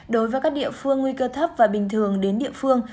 đối với các địa phương nguy cơ thấp và bình thường đến địa phương